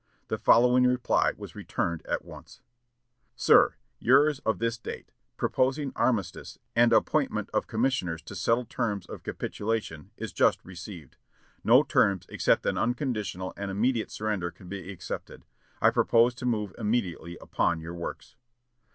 The following reply was returned at once: "Sir, Yours of this date, proposing armistice and appointment of commissioners to settle terms of capitulation, is just received. No terms except an unconditional and immediate surrender can be accepted. I propose to move immediately upon your works."